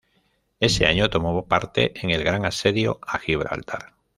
Ese año tomó parte en el Gran Asedio a Gibraltar.